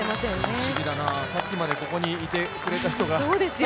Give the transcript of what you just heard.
不思議だな、さっきまでここにいてくれた人が。